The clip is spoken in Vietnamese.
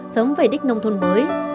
sống về đích nông thôn mới